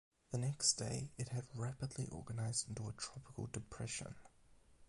The next day, it had rapidly organized into a tropical depression.